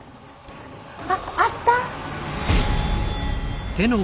あっあった？